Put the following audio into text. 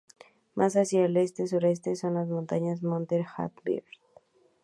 Más hacia el este-sureste son las montañas Montes Harbinger.